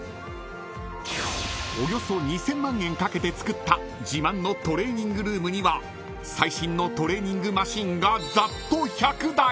［およそ２，０００万円かけて作った自慢のトレーニングルームには最新のトレーニングマシンがざっと１００台］